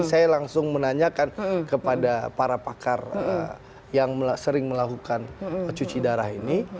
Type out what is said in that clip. saya langsung menanyakan kepada para pakar yang sering melakukan cuci darah ini